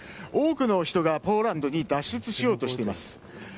多くの人がポーランドに脱出しようとしています。